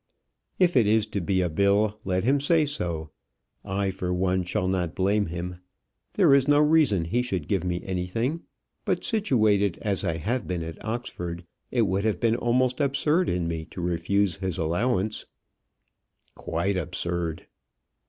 "If it is to be a bill, let him say so. I for one shall not blame him. There is no reason he should give me anything. But situated as I have been at Oxford, it would have been almost absurd in me to refuse his allowance " "Quite absurd."